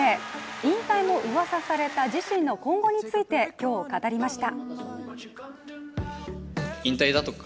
引退もうわさされた自身の今後について今日、語りました。